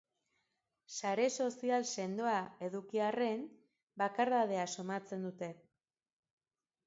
Sare sozial sendoa eduki arren, bakardadea somatzen dute.